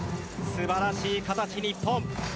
素晴らしい形、日本。